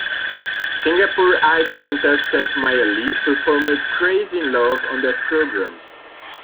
Singapore Idol contestant Maia Lee performed "Crazy in Love" on that program.